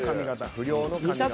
「不良の髪形」。